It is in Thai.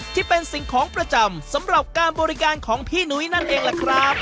ที่เป็นสิ่งของประจำสำหรับการบริการของพี่หนุ้ยนั่นเองล่ะครับ